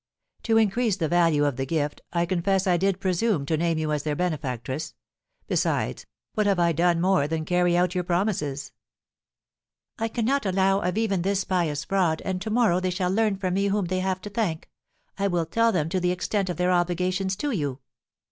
"To increase the value of the gift, I confess I did presume to name you as their benefactress. Besides, what have I done more than carry out your promises?" "I cannot allow of even this pious fraud, and to morrow they shall learn from me whom they have to thank. I will tell them the extent of their obligations to you."